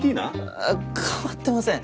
あぁ変わってません。